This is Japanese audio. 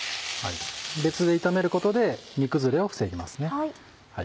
別で炒めることで煮崩れを防ぎますね。